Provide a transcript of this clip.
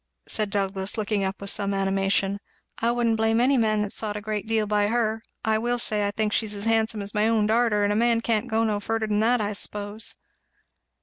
said Douglass, looking up with some animation. "I wouldn't blame any man that sot a good deal by her. I will say I think she's as handsome as my own darter; and a man can't go no furder than that I suppose."